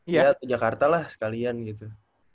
ya ke jakarta lah sekalian gitu